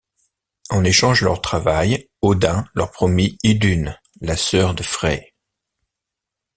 En échange de leur travail, Odin leur promit Idunn, la sœur de Frey.